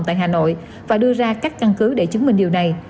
tại hà nội và đưa ra các căn cứ để chứng minh điều này